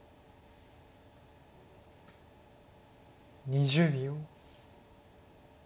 ２０秒。